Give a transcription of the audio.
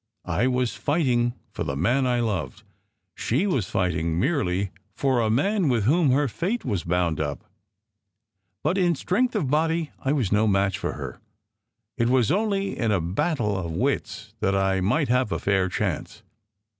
I was fighting for the man I loved. She was fighting merely for a SECRET HISTORY 299 man with whom her fate was bound up ; but in strength of body I was no match for her. It was only in a battle of wits that I might have a fair chance.